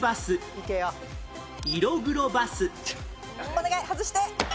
お願い外して。